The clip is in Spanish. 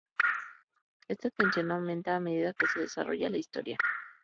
Esta tensión aumenta a medida que se desarrolla la historia.